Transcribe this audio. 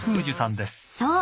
［そう。